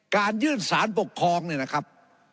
การยื่นสารปกครองเนี่ยนะครับ